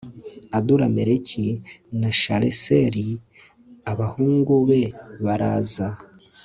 adurameleki na shareseri abahungu be baraza